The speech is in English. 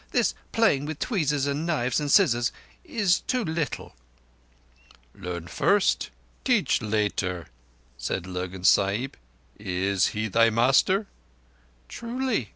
This playing with tweezers and knives and scissors is too little." "Learn first—teach later," said Lurgan Sahib. "Is he thy master?" "Truly.